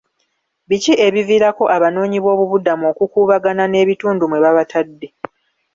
Biki ebiviirako abanoonyi b'bobubuddamu okukuubagana n'ebitundu mwe babatadde.